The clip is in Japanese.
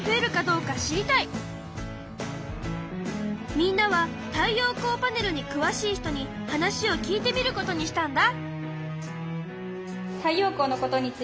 みんなは太陽光パネルにくわしい人に話を聞いてみることにしたんだ。